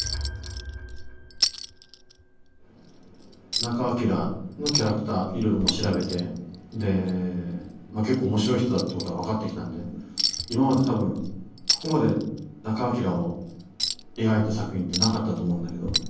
仲章のキャラクターいろいろ調べて結構面白い人だってことは分かってきたんで今まで多分ここまで仲章を描いた作品ってなかったと思うんだけど。